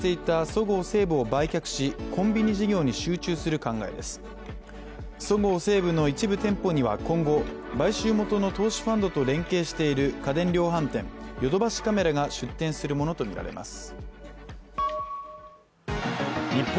そごう・西武の一部店舗には今後、買収元の投資ファンドと連携している家電量販店・ヨドバシカメラが出店するものとみられます。